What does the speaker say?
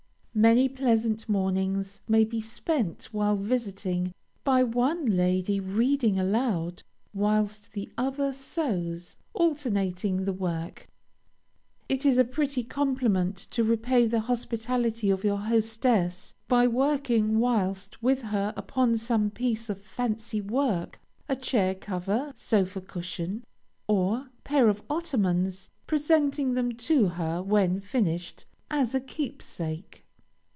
Many pleasant mornings may be spent while visiting, by one lady reading aloud whilst the other sews, alternating the work. It is a pretty compliment to repay the hospitality of your hostess, by working whilst with her upon some piece of fancy work, a chair cover, sofa cushion, or pair of ottomans, presenting them to her when finished, as a keepsake.